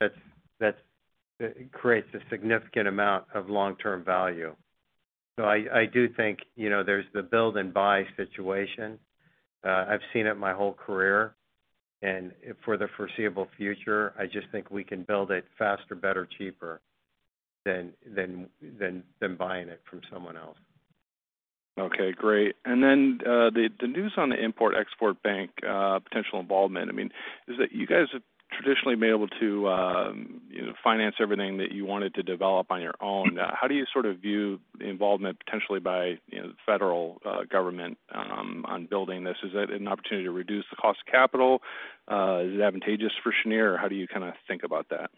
Speaker 3: That's. It creates a significant amount of long-term value. I do think, you know, there's the build and buy situation. I've seen it my whole career, and for the foreseeable future, I just think we can build it faster, better, cheaper than buying it from someone else.
Speaker 11: Okay, great. The news on the Export-Import Bank potential involvement, I mean, is that you guys have traditionally been able to, you know, finance everything that you wanted to develop on your own. How do you sort of view the involvement potentially by, you know, the federal government on building this? Is it an opportunity to reduce the cost of capital? Is it advantageous for Cheniere, or how do you kinda think about that?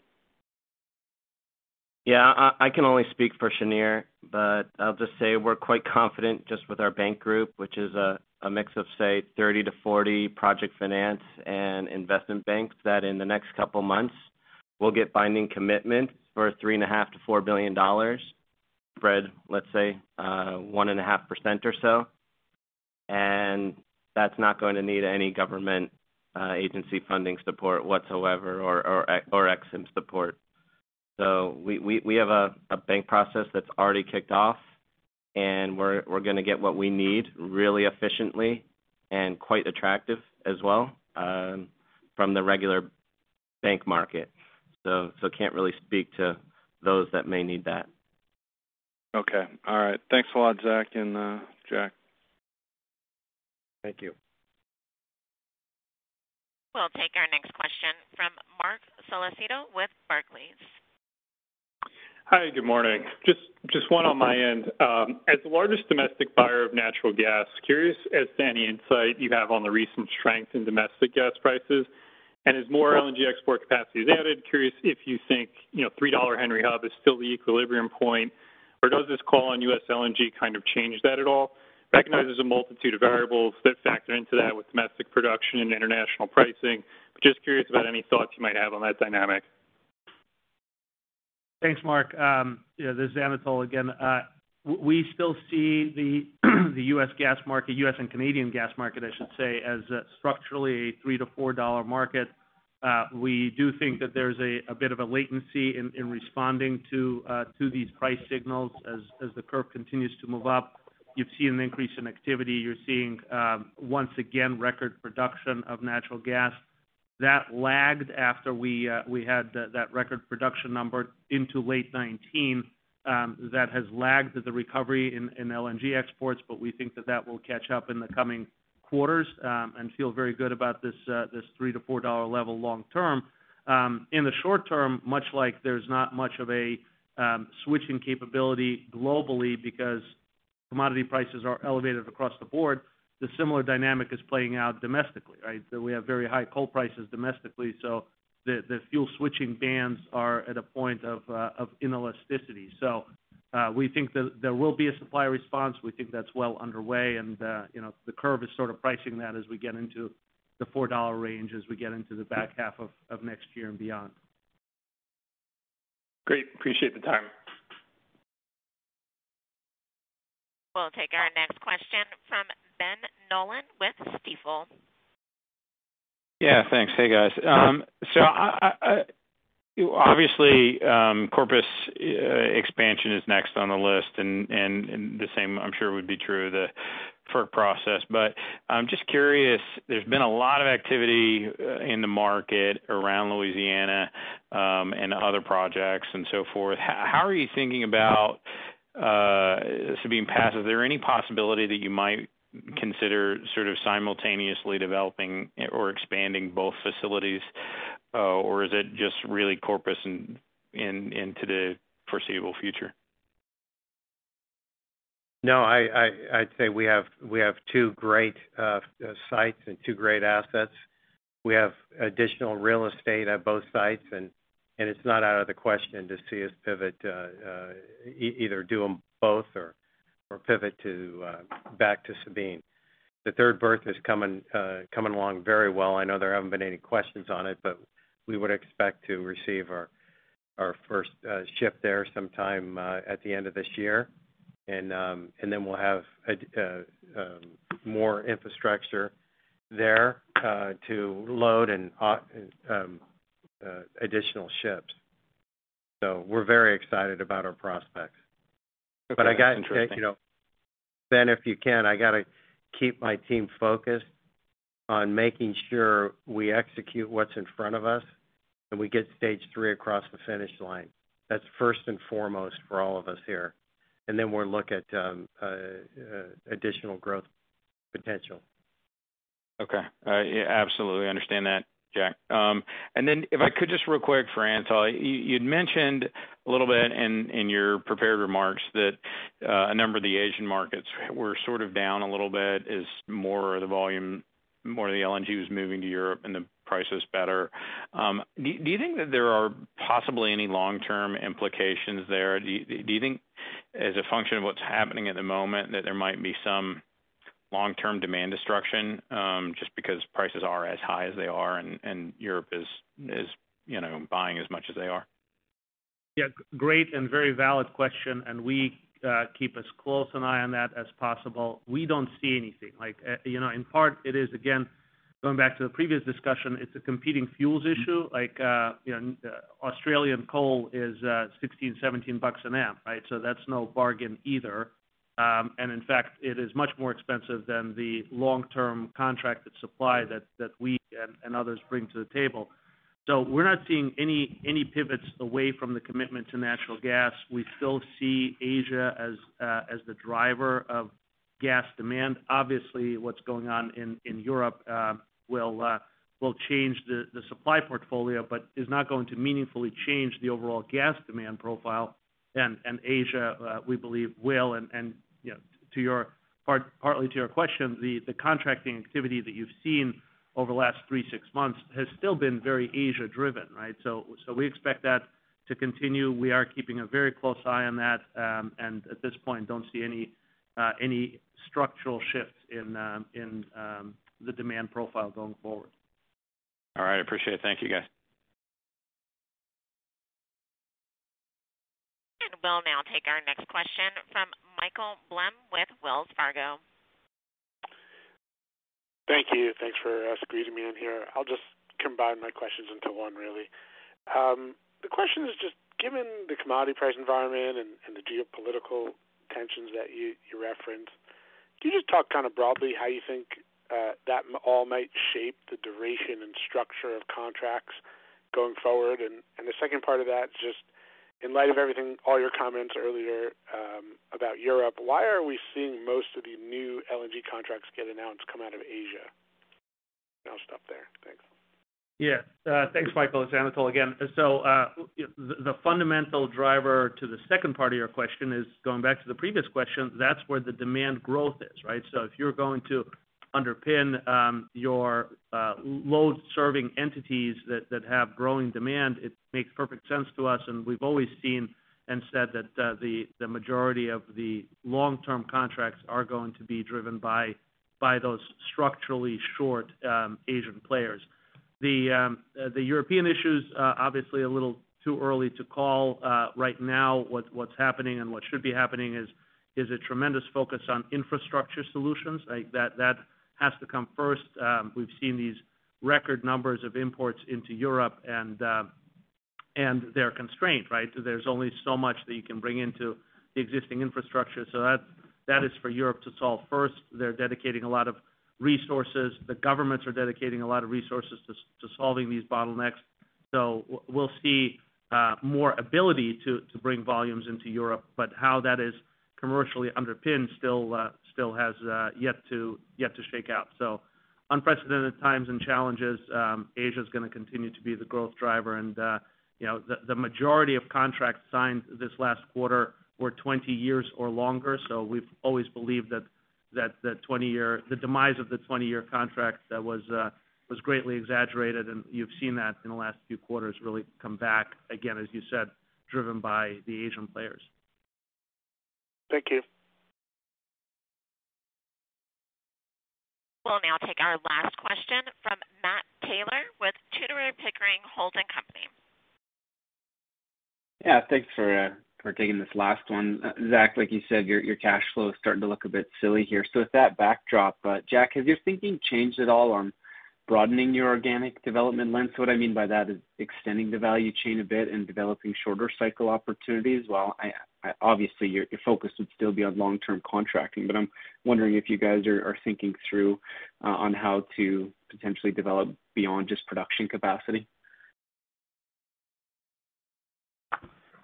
Speaker 5: Yeah. I can only speak for Cheniere, but I'll just say we're quite confident just with our bank group, which is a mix of, say, 30-40 project finance and investment banks, that in the next couple months we'll get binding commitments for $3.5 billion-$4 billion spread, let's say, 1.5% or so. That's not going to need any government agency funding support whatsoever or EXIM support. We have a bank process that's already kicked off, and we're gonna get what we need really efficiently and quite attractive as well, from the regular bank market. Can't really speak to those that may need that.
Speaker 11: Okay. All right. Thanks a lot, Zach and Jack.
Speaker 5: Thank you.
Speaker 1: We'll take our next question from Marc Solecito with Barclays.
Speaker 12: Hi, good morning. Just one on my end. As the largest domestic buyer of natural gas, curious as to any insight you have on the recent strength in domestic gas prices. As more LNG export capacity is added, curious if you think, you know, $3 Henry Hub is still the equilibrium point, or does this call on U.S. LNG kind of change that at all? Recognize there's a multitude of variables that factor into that with domestic production and international pricing. Just curious about any thoughts you might have on that dynamic.
Speaker 4: Thanks, Marc. This is Anatol Feygin again. We still see the U.S. gas market, U.S. and Canadian gas market, I should say, as structurally a $3-$4 market. We do think that there's a bit of a latency in responding to these price signals as the curve continues to move up. You've seen an increase in activity. You're seeing once again record production of natural gas. That lagged after we had that record production number into late 2019, that has lagged the recovery in LNG exports. We think that will catch up in the coming quarters and feel very good about this $3-$4 level long term. In the short term, much like there's not much of a switching capability globally because commodity prices are elevated across the board, the similar dynamic is playing out domestically, right? We have very high coal prices domestically, so the fuel switching bands are at a point of inelasticity. We think that there will be a supply response. We think that's well underway. You know, the curve is sort of pricing that as we get into the $4 range, as we get into the back half of next year and beyond.
Speaker 12: Great. Appreciate the time.
Speaker 1: We'll take our next question from Ben Nolan with Stifel.
Speaker 13: Yeah, thanks. Hey, guys. So, obviously, Corpus expansion is next on the list and the same, I'm sure, would be true of the FERC process. But I'm just curious. There's been a lot of activity in the market around Louisiana and other projects and so forth. How are you thinking about Sabine Pass? Is there any possibility that you might consider sort of simultaneously developing or expanding both facilities? Or is it just really Corpus into the foreseeable future?
Speaker 3: No, I'd say we have two great sites and two great assets. We have additional real estate at both sites and it's not out of the question to see us pivot either do them both or pivot back to Sabine. The third berth is coming along very well. I know there haven't been any questions on it, but we would expect to receive our first ship there sometime at the end of this year. We'll have more infrastructure there to load and additional ships. We're very excited about our prospects.
Speaker 13: Okay. That's interesting.
Speaker 3: I got to take, you know, Ben, if you can, I gotta keep my team focused on making sure we execute what's in front of us, and we get stage three across the finish line. That's first and foremost for all of us here. Then we'll look at additional growth potential.
Speaker 13: Okay. Yeah, absolutely understand that, Jack. If I could just real quick for Anatol, you'd mentioned a little bit in your prepared remarks that a number of the Asian markets were sort of down a little bit as more of the volume, more of the LNG was moving to Europe and the price is better. Do you think that there are possibly any long-term implications there? Do you think as a function of what's happening at the moment, that there might be some long-term demand destruction just because prices are as high as they are and Europe is you know, buying as much as they are?
Speaker 4: Yeah. Great and very valid question. We keep as close an eye on that as possible. We don't see anything. Like, you know, in part it is again, going back to the previous discussion, it's a competing fuels issue. Like, you know, Australian coal is 16-17 bucks a ton, right? That's no bargain either. In fact, it is much more expensive than the long-term contracted supply that we and others bring to the table. We're not seeing any pivots away from the commitment to natural gas. We still see Asia as the driver of gas demand. Obviously, what's going on in Europe will change the supply portfolio, but is not going to meaningfully change the overall gas demand profile. Asia, we believe will. You know, partly to your question, the contracting activity that you've seen over the last 3-6 months has still been very Asia-driven, right? We expect that to continue. We are keeping a very close eye on that, and at this point, don't see any structural shifts in the demand profile going forward.
Speaker 13: All right. I appreciate it. Thank you, guys.
Speaker 1: We'll now take our next question from Michael Blum with Wells Fargo.
Speaker 14: Thank you. Thanks for squeezing me in here. I'll just combine my questions into one really. The question is just given the commodity price environment and the geopolitical tensions that you referenced, can you just talk kind of broadly how you think that all might shape the duration and structure of contracts going forward? And the second part of that is just in light of everything, all your comments earlier about Europe, why are we seeing most of the new LNG contracts get announced come out of Asia? And I'll stop there. Thanks.
Speaker 4: Yeah. Thanks, Michael. It's Anatol again. You know, the fundamental driver to the second part of your question is going back to the previous question, that's where the demand growth is, right? If you're going to underpin your load-serving entities that have growing demand, it makes perfect sense to us. We've always seen and said that the majority of the long-term contracts are going to be driven by those structurally short Asian players. The European issues are obviously a little too early to call. Right now what's happening and what should be happening is a tremendous focus on infrastructure solutions. Like that has to come first. We've seen these record numbers of imports into Europe and they're constrained, right? There's only so much that you can bring into the existing infrastructure. That is for Europe to solve first. They're dedicating a lot of resources. The governments are dedicating a lot of resources to solving these bottlenecks. We'll see more ability to bring volumes into Europe. But how that is commercially underpinned still has yet to shake out. Unprecedented times and challenges. Asia is gonna continue to be the growth driver. You know, the majority of contracts signed this last quarter were 20 years or longer. We've always believed that the demise of the 20-year contract that was greatly exaggerated, and you've seen that in the last few quarters really come back again, as you said, driven by the Asian players.
Speaker 14: Thank you.
Speaker 1: We'll now take our last question from Matt Taylor with Tudor, Pickering, Holt & Co.
Speaker 15: Yeah. Thanks for taking this last one. Zach, like you said, your cash flow is starting to look a bit silly here. With that backdrop, Jack, has your thinking changed at all on broadening your organic development lens? What I mean by that is extending the value chain a bit and developing shorter cycle opportunities. While obviously your focus would still be on long-term contracting, but I'm wondering if you guys are thinking through on how to potentially develop beyond just production capacity.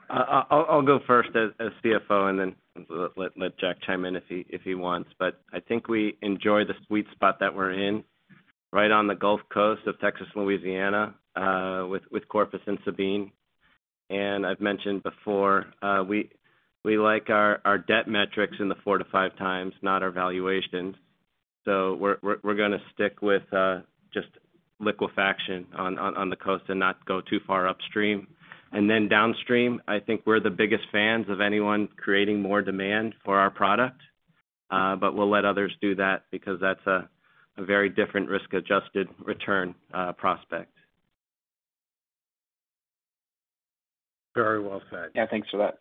Speaker 5: I'll go first as CFO and then let Jack chime in if he wants. I think we enjoy the sweet spot that we're in right on the Gulf Coast of Texas, Louisiana, with Corpus and Sabine. I've mentioned before, we like our debt metrics in the 4-5x, not our valuations. We're gonna stick with just liquefaction on the coast and not go too far upstream. Downstream, I think we're the biggest fans of anyone creating more demand for our product. We'll let others do that because that's a very different risk-adjusted return prospect.
Speaker 3: Very well said.
Speaker 15: Yeah, thanks for that.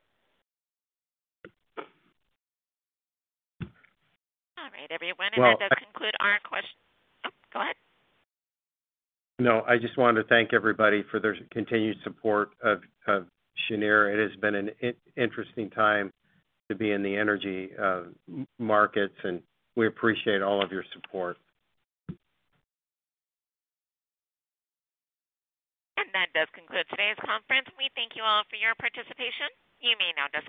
Speaker 1: All right, everyone.
Speaker 3: Well.
Speaker 1: That does conclude our questions. Oh, go ahead.
Speaker 3: No, I just wanted to thank everybody for their continued support of Cheniere. It has been an interesting time to be in the energy markets, and we appreciate all of your support.
Speaker 1: That does conclude today's conference. We thank you all for your participation. You may now disconnect.